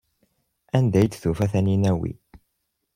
Anda ay d-tufa Taninna wi?